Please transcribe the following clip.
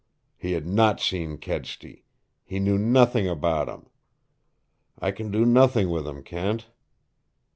He had not seen Kedsty. He knew nothing about him. I can do nothing with him, Kent."